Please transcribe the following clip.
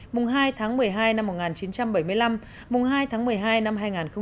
mùng hai tháng một mươi hai năm một nghìn chín trăm bảy mươi năm mùng hai tháng một mươi hai năm hai nghìn hai mươi